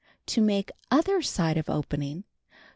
To make other side of opening.